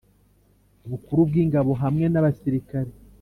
Bukuru bw Ingabo hamwe n abasirikare